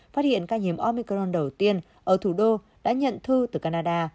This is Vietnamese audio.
phát hiện ca nhiễm omicron đầu tiên ở thủ đô đã nhận thư từ canada